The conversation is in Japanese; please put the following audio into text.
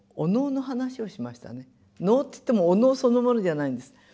能っていってもお能そのものじゃないんです。